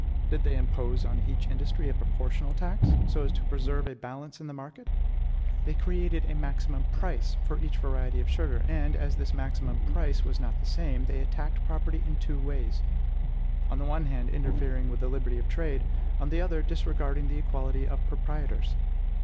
Did they impose on each industry a proportional tax, so as to preserve a balance in the market? They created a maximum PRICE for each variety of sugar; and, as this maximum PRICE was not the same, they attacked property in two ways, on the one hand, interfering with the liberty of trade; on the other, disregarding the equality of proprietors.